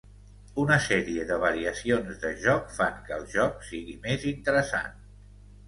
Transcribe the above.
Una sèrie de variacions de joc fan que el joc sigui més interessant.